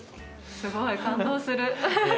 すごい！感動する。